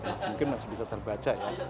mungkin masih bisa terbaca ya